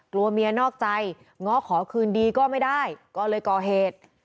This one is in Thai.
กลัวเมียนอกใจง้อขอคืนดีก็ไม่ได้ก็เลยก่อเหตุ